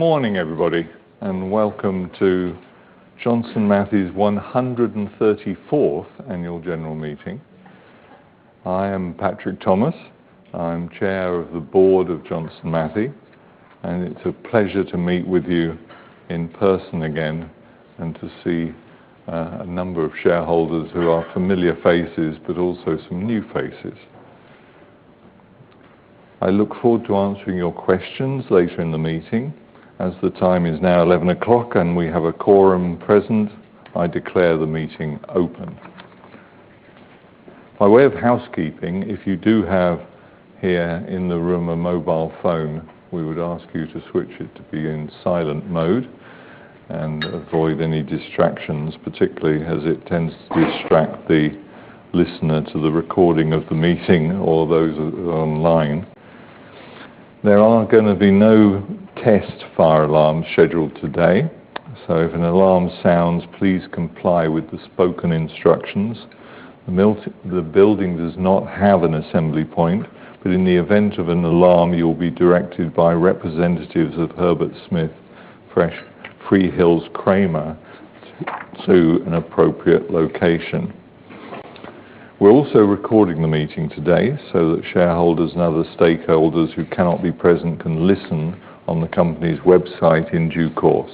Good morning everybody and welcome to Johnson Matthey's 134th Annual General Meeting. I am Patrick Thomas, I'm Chair of the Board of Johnson Matthey and it's a pleasure to meet with you in person again and to see a number of shareholders who are familiar faces, but also some new faces. I look forward to answering your questions later in the meeting. As the time is now 11:00 A.M. and we have a quorum present, I declare the meeting open. By way of housekeeping, if you do have here in the room a mobile phone, we would ask you to switch it to be in silent mode and avoid any distractions, particularly as it tends to distract the listener to the recording of the meeting or those online. There are going to be no test fire alarms scheduled today. If an alarm sounds, please comply with the spoken instructions. The building does not have an assembly point, but in the event of an alarm you will be directed by representatives of Herbert Smith Freehills Kramer to an appropriate location. We're also recording the meeting today so that shareholders and other stakeholders who cannot be present can listen on the company's website in due course.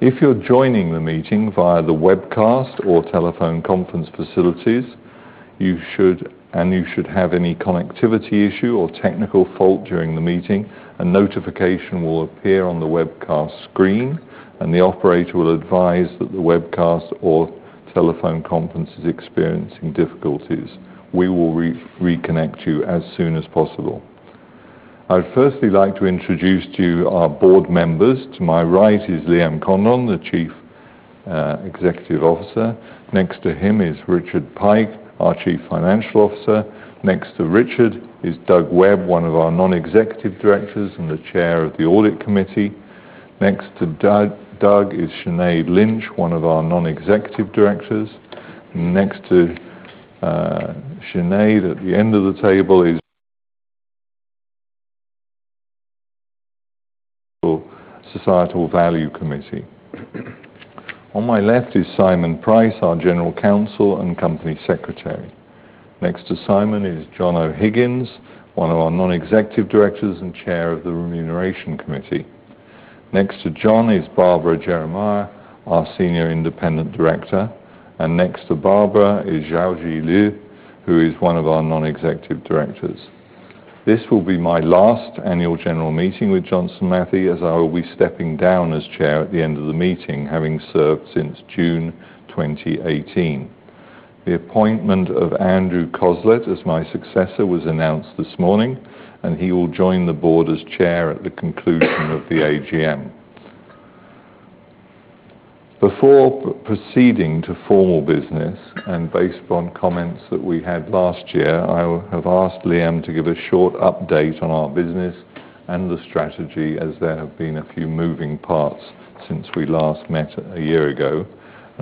If you're joining the meeting via the webcast or telephone conference facilities and you should have any connectivity issue or technical fault during the meeting, a notification will appear on the webcast screen and the operator will advise that the webcast or telephone conference is experiencing difficulties. We will reconnect you as soon as possible. I'd firstly like to introduce to you our board members. To my right is Liam Condon, the Chief Executive Officer. Next to him is Richard Pike, our Chief Financial Officer. Next to Richard is Doug Webb, one of our Non-Executive Directors and the Chair of the Audit Committee. Next to Doug is Sinead Lynch, one of our Non-Executive Directors. Next to Sinead at the end of the table is the Societal Value Committee. On my left is Simon Price, our General Counsel and Company Secretary. Next to Simon is John O'Higgins, one of our Non-Executive Directors and Chair of the Remuneration Committee. Next to John is Barbara Jeremiah, our Senior Independent Director. Next to Barbara is Xiaozhi Liu, who is one of our Non-Executive Directors. This will be my last Annual General Meeting with Johnson Matthey as I will be stepping down as Chair at the end of the meeting, having served since June 2018. The appointment of Andrew Cosslett as my successor was announced this morning, and he will join the board as Chair at the conclusion of the AGM. Before proceeding to formal business and based on comments that we had last year, I have asked Liam to give a short update on our business and the strategy as there have been a few moving parts since we last met a year ago.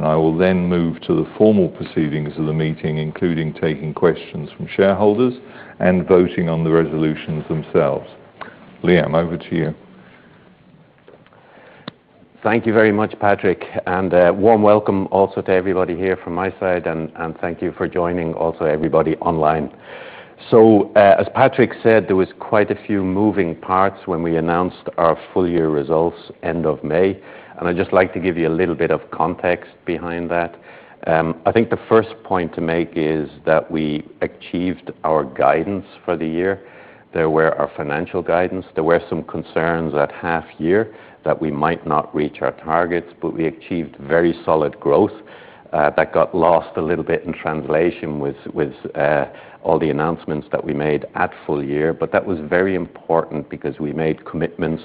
I will then move to the formal proceedings of the meeting, including taking questions from shareholders and voting on the resolutions themselves. Liam, over to you. Thank you very much, Patrick, and warm welcome also to everybody here from my side and thank you for joining. Also everybody online. As Patrick said, there were quite a few moving parts when we announced our full year results end of May. I'd just like to give you a little bit of context behind that. I think the first point to make is that we achieved our guidance for the year. There were our financial guidance, there were some concerns at half year that we might not reach our targets, but we achieved very solid growth. That got lost a little bit in translation with all the announcements that we made at full year. That was very important because we made commitments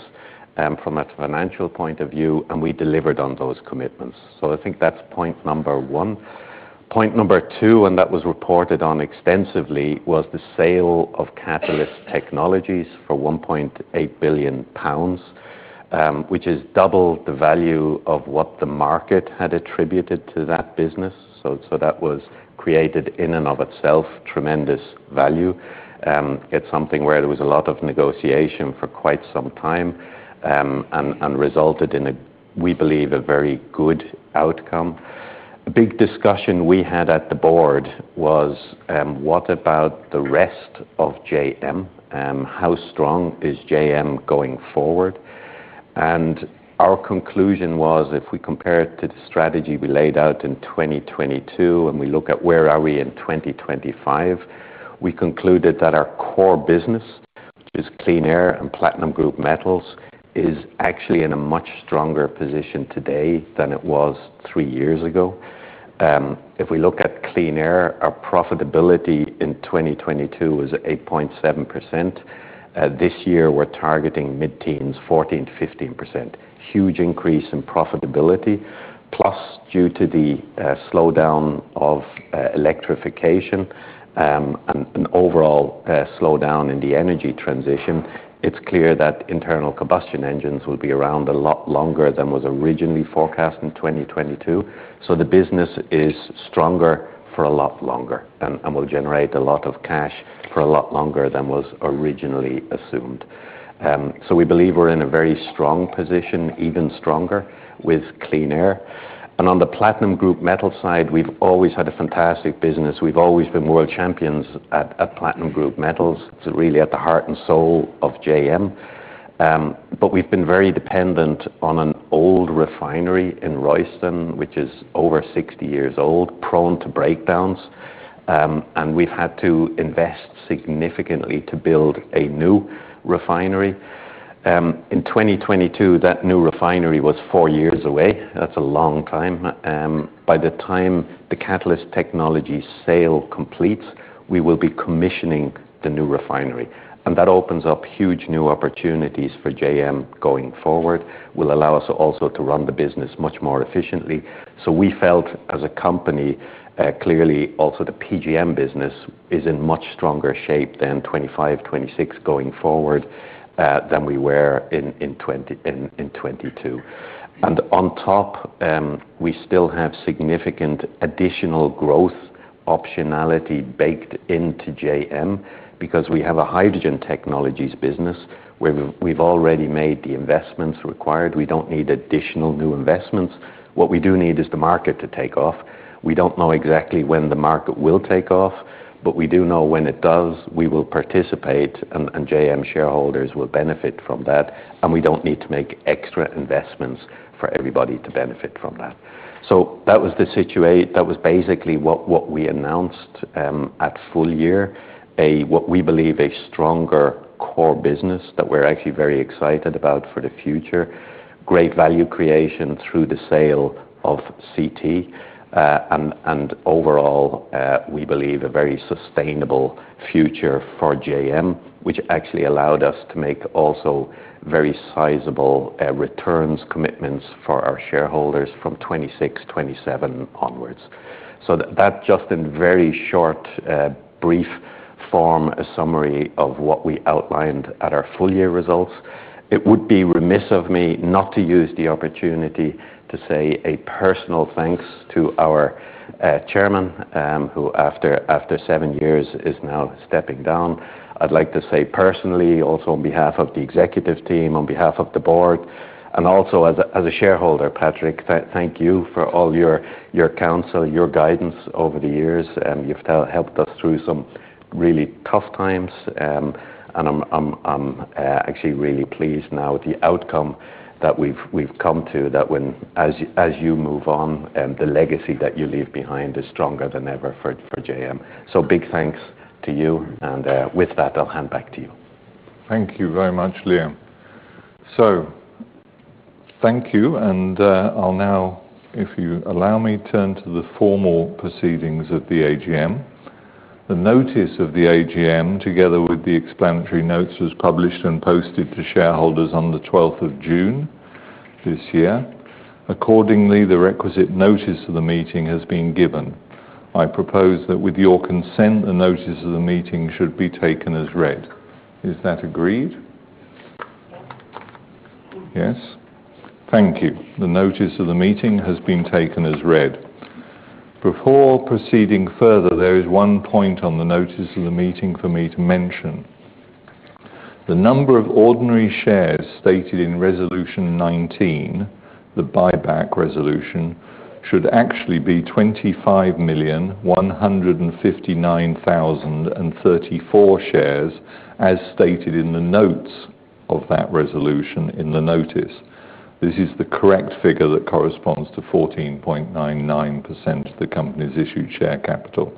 from a financial point of view and we delivered on those commitments. I think that's point number one. Point number two, and that was reported on extensively, was the sale of Catalyst Technologies for 1.8 billion pounds, which is double the value of what the market had attributed to that business. That was created in and of itself, tremendous value. It's something where there was a lot of negotiation for quite some time and resulted in a, we believe, a very good outcome. A big discussion we had at the board was, what about the rest of JM? How strong is JM going forward? Our conclusion was, if we compare it to the strategy we laid out in 2022 and we look at where are we in 2025, we concluded that our core business, which is Clean Air and Platinum Group Metals, is actually in a much stronger position today than three years ago. If we look at Clean Air, our profitability in 2022 was 8.7%. This year we're targeting mid-teens, 14%-15%, huge increase in profitability. Plus, due to the slowdown of electrification and an overall slowdown in the energy transition, it's clear that internal combustion engines will be around a lot longer than was originally forecast in 2022. So the business is stronger for a lot longer and will generate a lot of cash for a lot longer than was originally assumed. We believe we're in a very strong position, even stronger with Clean Air. On the Platinum Group Metals side, we've always had a fantastic business. We've always been world champions at Platinum Group Metals, really at the heart and soul of JM. We've been very dependent on an old refinery in Royston, which is over 60 years old, prone to breakdowns. We've had to invest significantly to build a new refinery in 2022. That new refinery was four years away. That's a long time. By the time the Catalyst Technologies sale completes, we will be commissioning the new refinery. That opens up huge new opportunities for JM going forward and will allow us also to run the business much more efficiently. We felt as a company clearly also the PGM is in much stronger shape in 2025-2026 going forward than we were in 2022. On top, we still have significant additional growth optionality baked into JM because we have a hydrogen technologies business where we've already made the investments required. We don't need additional new investments. What we do need is the market to take off. We don't know exactly when the market will take off, but we do know when it does, we participate. JM shareholders will benefit from that. We don't need to make extra investments for everybody to benefit from that. That was the situation. That was basically what we announced at full year. We believe a stronger core business that we're actually very excited about for the future. Great value creation through the sale of CT. Overall, we believe a very sustainable future for JM, which actually allowed us to make also very sizable returns commitments for our shareholders from 2026-2027 onwards. That, just in very short brief form, is a summary of what we outlined at our full year results. It would be remiss of me not to use the opportunity to say a personal thanks to our Chairman, who after seven years is now stepping down. I'd like to say personally, also on behalf of the executive team, on behalf of the board, and also as a shareholder: Patrick, thank you for all your counsel, your guidance over the years. You've helped us through some really tough times, and I'm actually really pleased now with the outcome that we've come to, that as you move on, the legacy that you leave behind is stronger than ever for JM. Big thanks to you. With that, I'll hand back to you. Thank you very much, Liam. Thank you, and I'll now, if you allow me, turn to the formal proceedings of the AGM. The notice of the AGM, together with the explanatory notes, was published and posted to shareholders on the 12th of June this year. Accordingly, the requisite notice of the meeting has been given. I propose that, with your consent, the notice of the meeting should be taken as read. Is that agreed? Yes. Thank you. The notice of the meeting has been taken as read. Before proceeding further, there is one point on the notice of the meeting for me to mention: the number of ordinary shares stated in Resolution 19. The buyback resolution should actually be 25,159,034 shares, as stated in the notes of that resolution in the notice. This is the correct figure that corresponds to 14.99% of the company's issued share capital.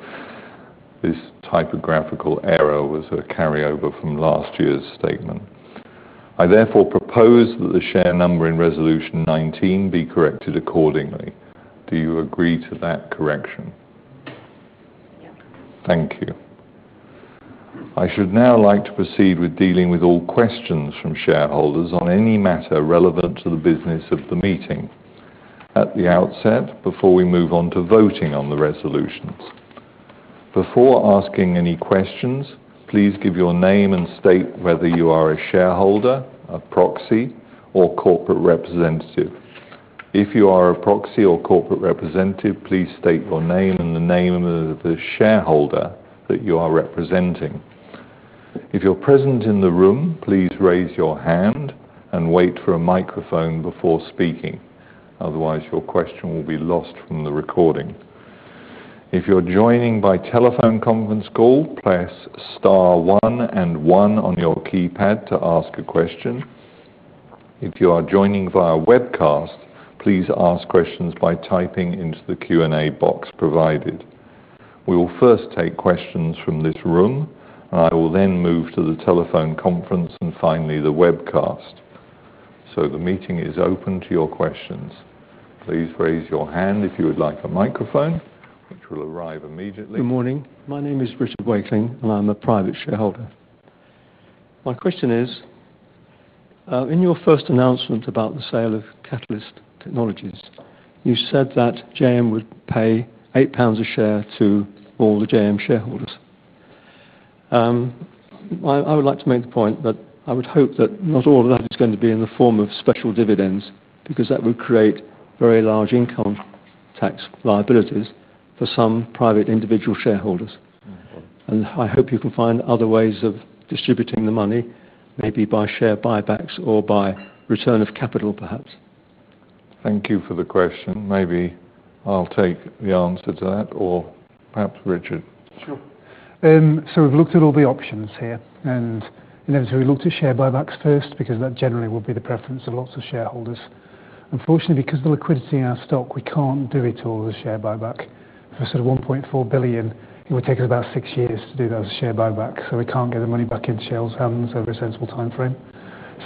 This typographical error was a carryover from last year's statement. I therefore propose that the share number in Resolution 19 be corrected accordingly. Do you agree to that correction? Thank you. I should now like to proceed with dealing with all questions from shareholders on any matter relevant to the business of the meeting at the outset before we move on to voting on the resolutions. Before asking any questions, please give your name and state whether you are a shareholder, a proxy, or corporate representative. If you are a proxy or corporate representative, please state your name and the name of the shareholder that you are representing. If you are present in the room, please raise your hand and wait for a microphone before speaking. Otherwise, your question will be lost from the recording. If you're joining by telephone conference call, press Star 1 and 1 on your keypad to ask a question. If you are joining via webcast, please ask questions by typing into the Q&A box provided. We will first take questions from this room, and I will then move to the telephone conference and finally the webcast. The meeting is open to your questions. Please raise your hand if you would like a microphone, which will arrive immediately. Good morning. My name is Richard Wakeling and I'm a private shareholder. My question is, in your first announcement about the sale of Catalyst Technologies, you said that JM would pay 8 pounds per share to all the JM shareholders. I would like to make the point that I would hope that not all of that is going to be in the form of special dividends, because that would create very large income tax liabilities for some private individual shareholders. I hope you can find other ways of distributing the money, maybe by share buybacks or by return of capital, perhaps? Thank you for the question. Maybe I'll take the answer to that, or perhaps Richard. Sure. We've looked at all the options here, and inevitably we looked at share buybacks first because that generally would be the preference of lots of shareholders. Unfortunately, because of the liquidity in our stock, we can't do it all as a share buyback for sort of 1.4 billion. It would take us about six years to do that as a share buyback. We can't get the money back into shareholders' hands over a sensible time frame.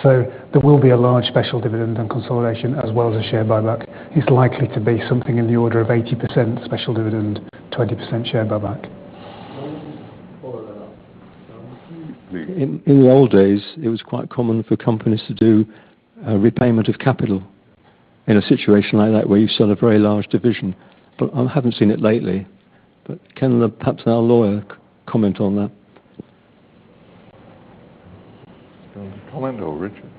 There will be a large special dividend and consolidation as well as a share buyback. It's likely to be something in the order of 80% special dividend, 20% share buyback. In the old days, it was quite common for companies to do repayment of capital in a situation like that where you sell a very large division. I haven't seen it lately. Can perhaps our lawyer comment on that? Comment or Richard,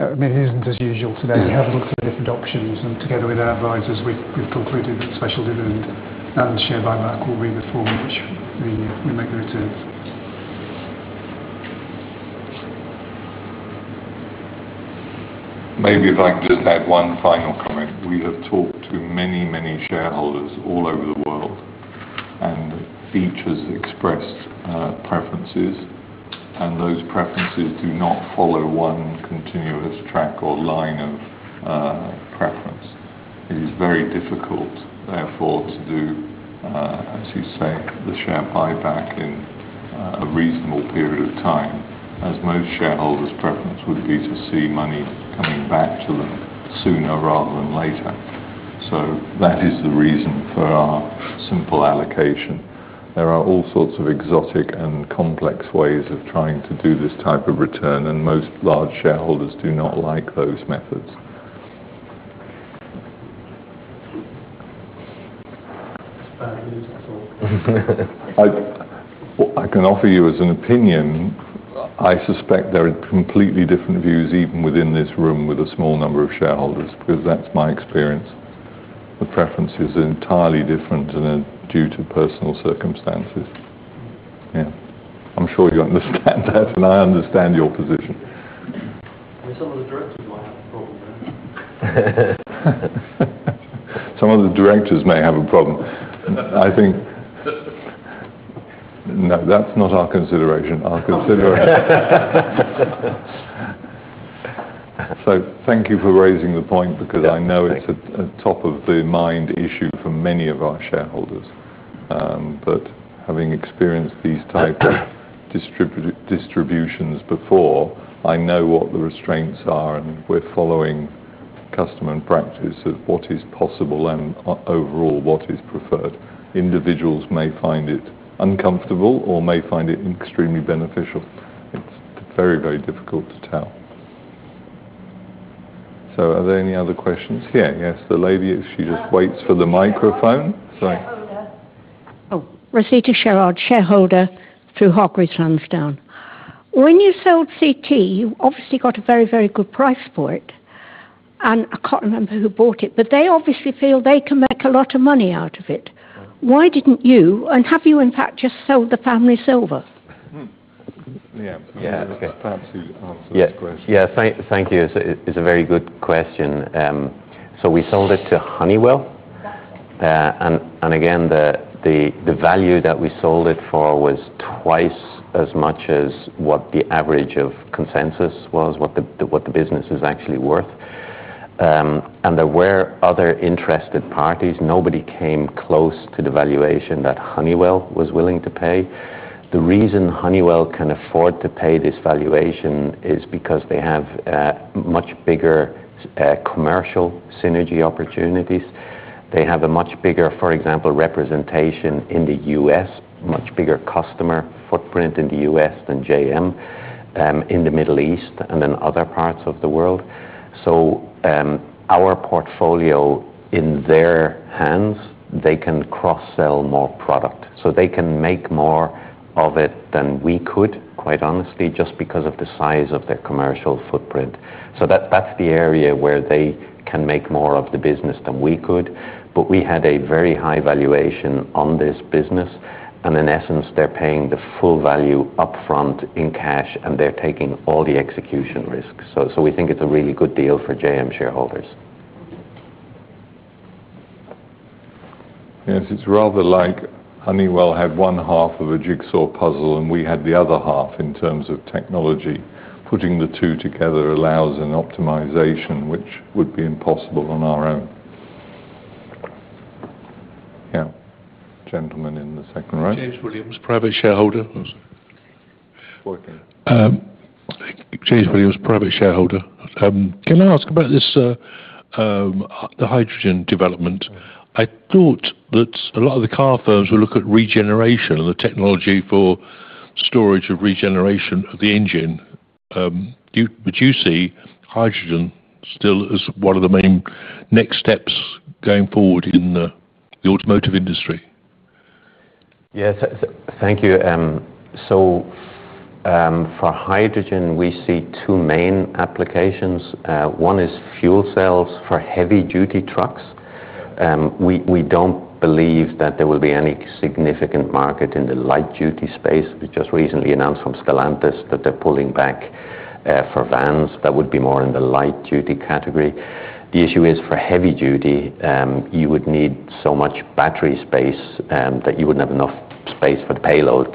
I mean, it isn't as usual. Today we have a look for the different options, and together with advisors we've concluded that special dividend and the share buyback will be the form which we make returns. Maybe if I could just add one final comment. We have talked to many, many shareholders all over the world, and each has expressed preferences, and those preferences do not follow one continuous track or line of preference. It is very difficult, therefore, to do, as you say, the share buyback in a reasonable period of time, as most shareholders' preference would be to see money coming back to them sooner rather than later. That is the reason for our simple allocation. There are all sorts of exotic and complex ways of trying to do this type of return, and most large shareholders do not like those methods. I can offer you as an opinion, I suspect there are completely different views even within this room with a small number of shareholders, because that's my experience. The preference is entirely different due to personal circumstances. I'm sure you understand that, and I understand your position. Some of the directors might have a problem. Some of the directors may have a problem. That's not our consideration. Thank you for raising the point because I know it's a top of the mind issue for many of our shareholders. Having experienced these types of distributions before, I know what the restraints are and we're following customer practice of what is possible and overall what is preferred. Individuals may find it uncomfortable or may find it extremely beneficial. It's very, very difficult to tell. Are there any other questions here? Yes, the lady, if she just waits for the microphone. Rosita Sherrod, shareholder through Hargreaves Lansdown. When you sold CT, you obviously got a very, very good price for it. I can't remember who bought it, but they obviously feel they can make a lot of money out of it. Why didn't you, and have you in fact just sold the family silver? Yeah, perhaps you answered the question. Yes. Thank you. It's a very good question. We sold it to Honeywell, and again, the value that we sold it for was twice as much as what the average of consensus was, what the business is actually worth. There were other interested parties. Nobody came close to the valuation that Honeywell was willing to pay. The reason Honeywell can afford to pay this valuation is because they have much bigger commercial synergy opportunities. They have a much bigger, for example, representation in the U.S., much bigger customer footprint in the U.S. than JM in the Middle East and in other parts of the world. Our portfolio in their hands, they can cross-sell more product, so they can make more of it than we could, quite honestly, just because of the size of their commercial footprint. That's the area where they can make more of the business than we could. We had a very high valuation on this business. In essence, they're paying the full value upfront in cash, and they're taking all the execution risks. We think it's a really good deal for JM shareholders. Yes. It's rather like Honeywell had one half of a jigsaw puzzle and we had the other half. In terms of technology, putting the two together allows an optimization which would be impossible on our own. Gentleman in the second row. James Williams, private shareholder. James Williams, private shareholder. Can I ask about this, the hydrogen development? I thought that a lot of the car firms will look at regeneration and the technology for storage of regeneration of the engine. Do you see hydrogen still as one of the main next steps going forward in the automotive industry? Yes. Thank you. For hydrogen we see two main applications. One is fuel cells for heavy duty trucks. We don't believe that there will be any significant market in the light duty space. We just recently announced from Stellantis that they're pulling back for vans that would be more in the light duty category. The issue is for heavy duty you would need so much battery space that you wouldn't have enough space for the payload.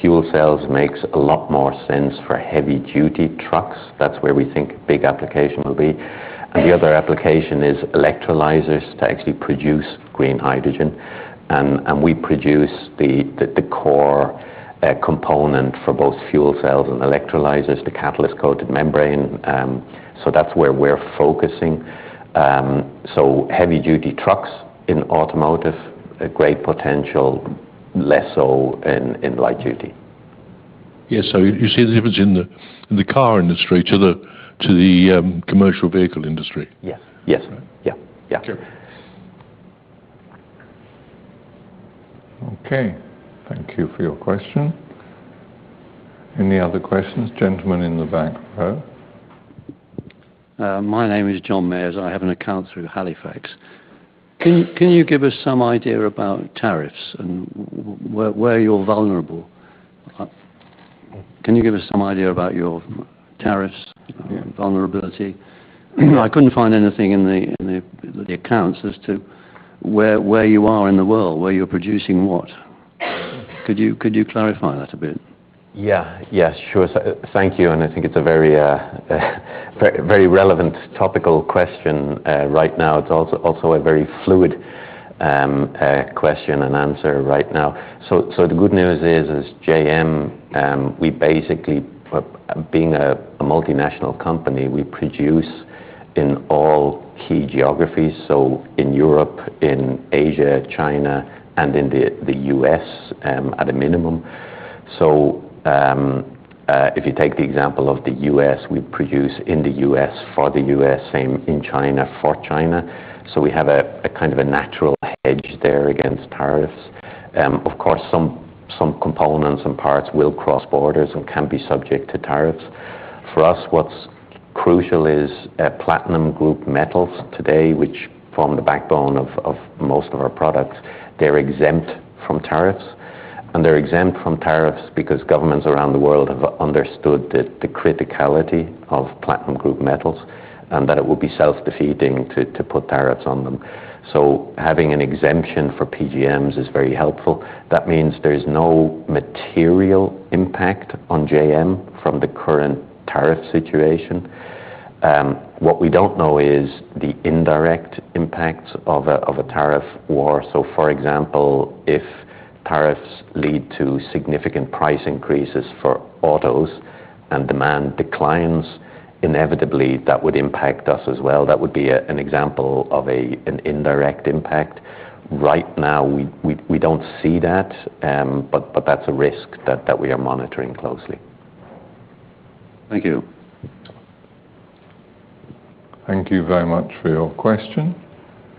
Fuel cells make a lot more sense for heavy duty trucks. That's where we think big application will be. The other application is electrolyzers to actually produce green hydrogen. We produce the core component for both fuel cells and electrolyzers, the catalyst-coated membrane. That's where we're focusing. Heavy duty trucks in automotive, great potential, less so in light duty. Yes. Do you see the difference in the car industry to the commercial vehicle industry? Yes. Yes. Yeah, yeah. Okay. Thank you for your question. Any other questions? Gentleman in the back row. My name is John Mayers, I have an account through Halifax. Can you give us some idea about tariffs and where you're vulnerable? Can you give us some idea about your tariffs vulnerability? I couldn't find anything in the accounts as to where you are in the world where you're producing. Could you clarify that a bit? Yeah. Yes, sure. Thank you. I think it's a very relevant topical question right now. It's also a very fluid question and answer right now. The good news is JM, we basically, being a multinational company, we produce in all key geographies. In Europe, in Asia, China, and in the U.S. at a minimum. If you take the example of the U.S., we produce in the U.S. for the U.S., same in China for China. We have a kind of a natural hedge there against tariffs. Of course, some components and parts will cross borders and can be subject to tariffs. For us, what's crucial is Platinum Group Metals today, which form the backbone of most of our products. They're exempt from tariffs. They're exempt from tariffs because governments around the world have understood the criticality of Platinum Group Metals and that it would be self-defeating to put tariffs on them. Having an exemption for PGMs is very helpful. That means there is no material impact on JM from the current tariff situation. What we don't know is the indirect impacts of a tariff war. For example, if tariffs lead to significant price increases for autos and demand declines, inevitably that would impact us as well. That would be an example of an indirect impact. Right now we don't see that, but that's a risk that we are monitoring closely. Thank you. Thank you very much for your question.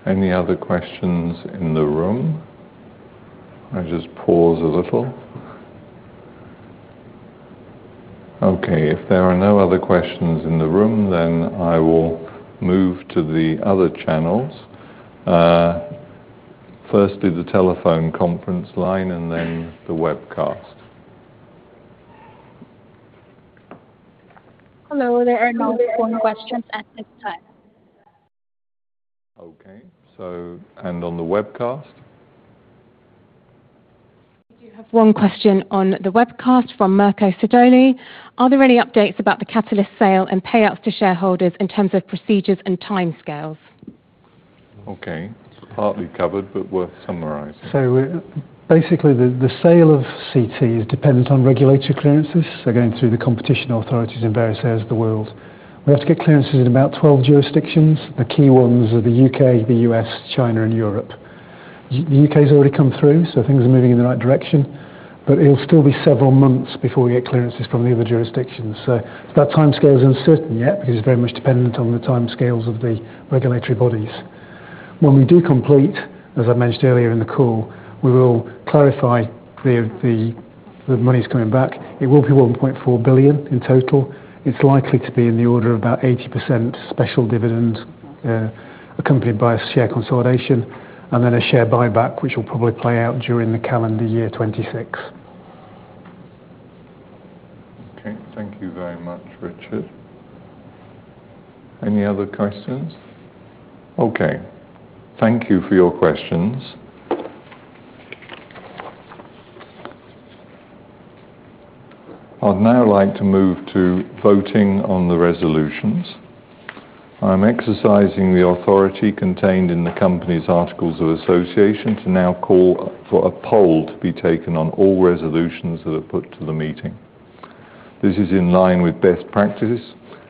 Any other questions in the room? I will just pause a little. Okay. If there are no other questions in the room, then I will move to the other channels. Firstly the telephone conference line and then the webcast. Hello. There are no phone questions at this time. Okay, on the webcast. One question on the webcast from Mirko Sidoni. Are there any updates about the Catalyst Technologies sale and payouts to shareholders in terms of procedures and timescales? Okay, partly covered, but worth summarizing. The sale of CT is dependent on regulatory clearances, again through the competition authorities in various areas of the world. We have to get clearances in about 12 jurisdictions. The key ones are the U.K., the U.S., China, and Europe. The U.K. has already come through, so things are moving in the right direction. It will still be several months before we get clearances from the other jurisdictions. That time scale is uncertain yet because it's very much dependent on the timescales of the regulatory bodies. When we do complete, as I mentioned earlier in the call, we will clarify the money's coming back. It will be 1.4 billion in total. It's likely to be in the order of about 80% special dividend, accompanied by share consolidation and then a share buyback, which will probably play out during the calendar year 2026. Okay, thank you very much, Richard. Any other questions? Okay, thank you for your questions. I'd now like to move to voting on the resolutions. I'm exercising the authority contained in the company's Articles of Association to now call for a poll to be taken on all resolutions that are put to the meeting. This is in line with best practice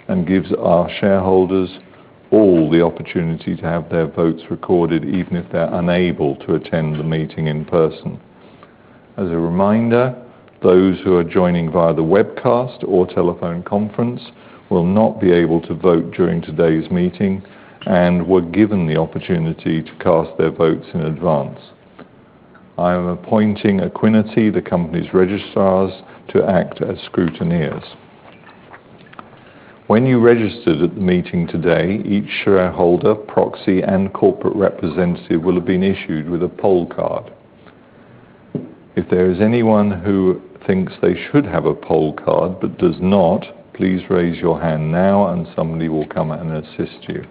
and gives our shareholders all the opportunity to have their votes recorded, even if they're unable to attend the meeting in person. As a reminder, those who are joining via the webcast or telephone conference will not be able to vote during today's meeting and were given the opportunity to cast their votes in advance. I am appointing Equiniti, the company's registrars, to act as scrutineers. When you registered at the meeting today, each shareholder, proxy, and corporate representative will have been issued with a poll card. If there is anyone who thinks they should have a poll card but does not, please raise your hand now and somebody will come and assist you.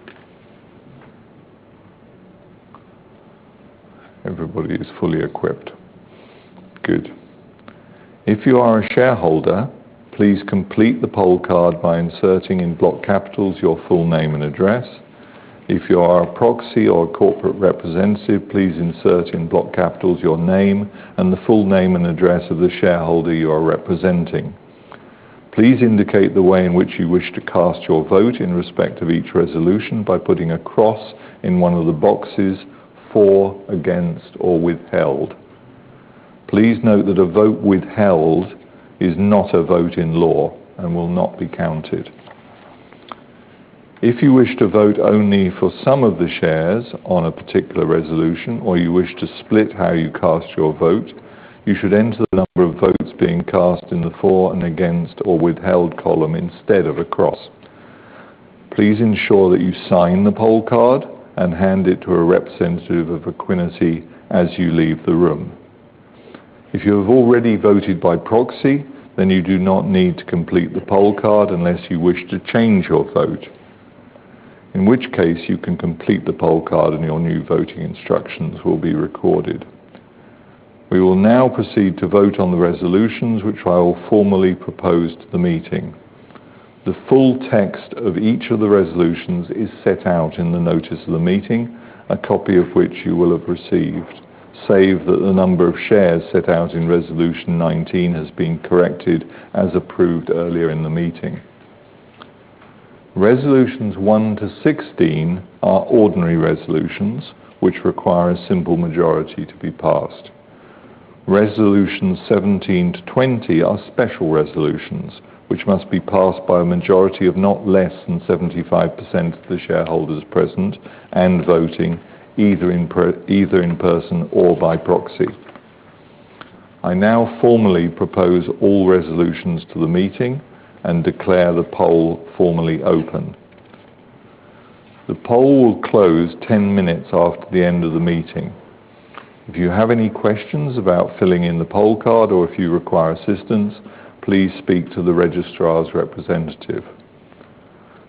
Everybody is fully equipped. Good. If you are a shareholder, please complete the poll card by inserting in block capitals your full name and address. If you are a proxy or a corporate representative, please insert in block capitals your name and the full name and address of the shareholder you are representing. Please indicate the way in which you wish to cast your vote in respect of each resolution by putting a cross in one of the boxes: for, against, or withheld. Please note that a vote withheld is not a vote in law and will not be counted. If you wish to vote only for some of the shares on a particular resolution or you wish to split how you cast your vote, you should enter the number of votes being cast in the for, against, or withheld column instead of a cross. Please ensure that you sign the poll card and hand it to a representative of Equiniti as you leave the room. If you have already voted by proxy, then you do not need to complete the poll card unless you wish to change your vote, in which case you can complete the poll card and your new voting instructions will be recorded. We will now proceed to vote on the resolutions, which I will formally propose to the meeting. The full text of each of the resolutions is set out in the notice of the meeting, a copy of which you will have received, save that the number of shares set out in Resolution 19 has been corrected as approved earlier in the meeting. Resolutions 1-16 are ordinary resolutions which require a simple majority to be passed. Resolutions 17-20 are special resolutions which must be passed by a majority of not less than 75% of the shareholders present and voting either in person or by proxy. I now formally propose all resolutions to the meeting and declare the poll formally open. The poll will close 10 minutes after the end of the meeting. If you have any questions about filling in the poll card or if you require assistance, please speak to the Registrar's representative.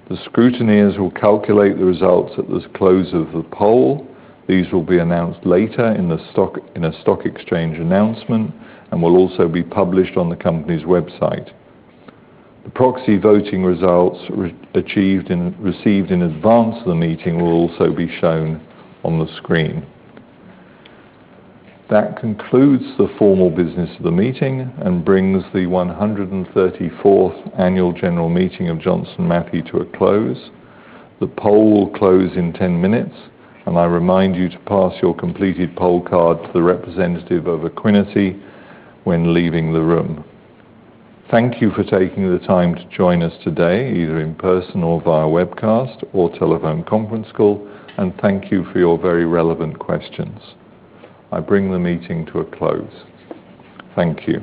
The scrutineers will calculate the results at the close of the poll. These will be announced later in a stock exchange announcement and will also be published on the company's website. The proxy voting results achieved and received in advance of the meeting will also be shown on the screen. That concludes the formal business and brings the 134th Annual General Meeting of Johnson Matthey to a close. The poll will close in 10 minutes and I remind you to pass your completed poll card to the representative of Equiniti when leaving the room. Thank you for taking the time to join us today, either in person or via webcast or telephone conference call, and thank you for your very relevant questions. I bring the meeting to a close. Thank you.